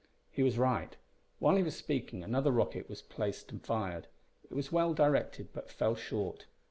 He was right. While he was speaking, another rocket was placed and fired. It was well directed, but fell short.